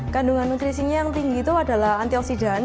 kandungan nutrisinya yang tinggi itu adalah antioksidan